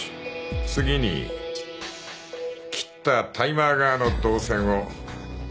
次に切ったタイマー側の導線を直列に結べ。